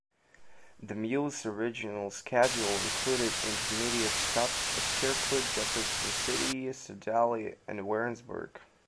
The "Mule's" original schedule included intermediate stops at Kirkwood, Jefferson City, Sedalia and Warrensburg.